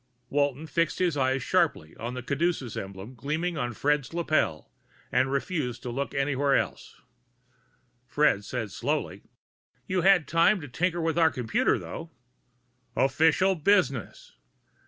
Walton fixed his eyes sharply on the caduceus emblem gleaming on Fred's lapel, and refused to look anywhere else. Fred said slowly, "You had time to tinker with our computer, though." "Official business!"